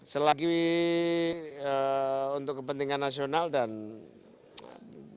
selagi untuk kepentingan nasional dan kursinya ditambah satu dolar